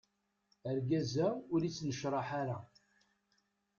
Argaz-a ur ittnecraḥ ara.